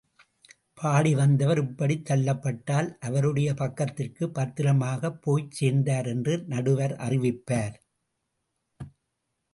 பாடி வந்தவர் இப்படித் தள்ளப்பட்டால், அவருடைய பக்கத்திற்குப் பத்திரமாகப் போய்ச் சேர்ந்தார் என்று நடுவர் அறிவிப்பார்.